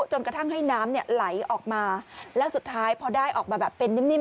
จนกระทั่งให้น้ำไหลออกมาแล้วสุดท้ายพอได้ออกมาแบบเป็นนิ่ม